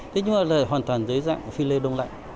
thế nhưng mà là hoàn toàn dưới dạng phi lê đông lạnh